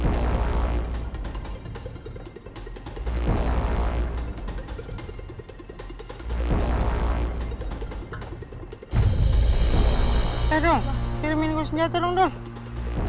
eeeh dong kirimin gue senjata dong dong